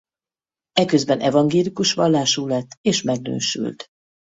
Eközben evangélikus vallású lett és megnősült.